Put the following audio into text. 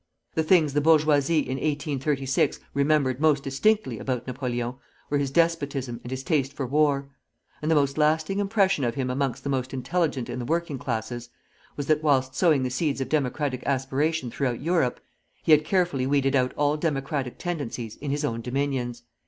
The things the bourgeoisie in 1836 remembered most distinctly about Napoleon were his despotism and his taste for war; and the most lasting impression of him amongst the most intelligent in the working classes was that whilst sowing the seeds of democratic aspiration throughout Europe, he had carefully weeded out all democratic tendencies in his own dominions."